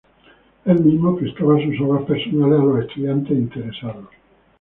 Él mismo prestaba sus obras personales a los estudiantes interesados.